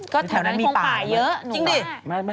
ก็แถวนั้นคงป่าเยอะจริงดิ